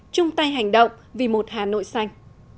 trung tây hành động vì một hà nội xanh